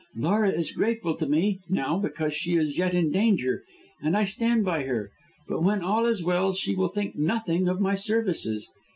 Laura is grateful to me now, because she is yet in danger, and I stand by her; but when all is well, she will think nothing of my services.